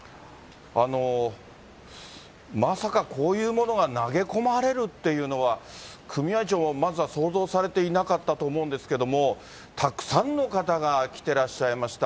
まさかこういうものが投げ込まれるっていうのは、組合長も、まずは想像されていなかったと思うんですけれども、たくさんの方が来てらっしゃいました。